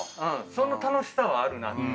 その楽しさはあるなって。